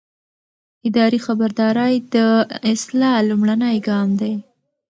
اداري خبرداری د اصلاح لومړنی ګام دی.